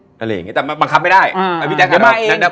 อะไรอย่างเงี้แต่มันบังคับไม่ได้พี่แจ๊ะ